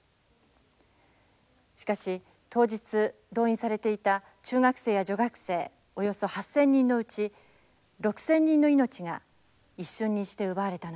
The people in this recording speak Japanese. しかし当日動員されていた中学生や女学生およそ８，０００人のうち６，０００人の命が一瞬にして奪われたのです。